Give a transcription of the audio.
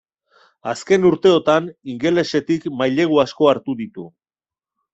Azken urteotan ingelesetik mailegu asko hartu ditu.